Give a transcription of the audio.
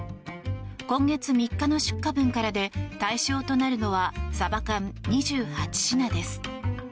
今月３日の出荷分からで対象となるのはサバ缶２８品です。